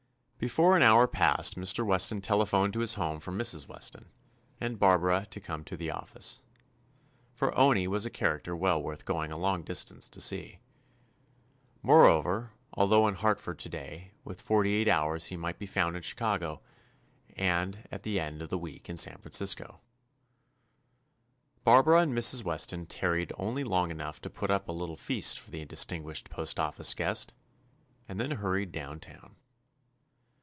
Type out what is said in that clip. Before an hour passed Mr. Weston telephoned to his home for Mrs. Wes ton and Barbara to come to the office, for Owney was a character well worth going a long distance to see. More 228 TOMMY POSTOFFICE over, although in Hartford to day, within forty eight hours he might be found in Chicago, and at the end of a week in San Francisco. Barbara and Mrs. Weston tarried only long enough to put up a little feast for the distinguished postoffice guest, and then hurried down town.